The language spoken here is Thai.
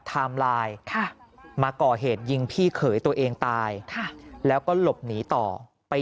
ไทม์ไลน์มาก่อเหตุยิงพี่เขยตัวเองตายค่ะแล้วก็หลบหนีต่อไป